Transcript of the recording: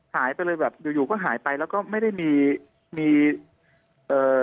หายไปเลยแบบอยู่อยู่ก็หายไปแล้วก็ไม่ได้มีมีเอ่อ